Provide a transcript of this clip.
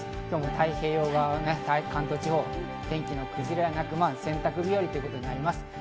今日も太平洋側、関東地方、天気の崩れはなく洗濯日和となります。